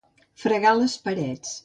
Fregar les parets.